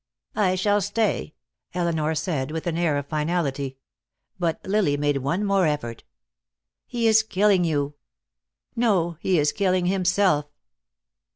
"I shall stay," Elinor said, with an air of finality. But Lily made one more effort. "He is killing you." "No, he is killing himself."